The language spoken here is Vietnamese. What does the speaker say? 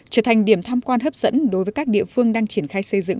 trở thành điểm tham quan hấp dẫn đối với các địa phương đang triển khai xây dựng